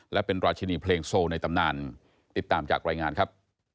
และเป็นราชินีเพลงโซลในตำนานติดตามจากรายงานครับ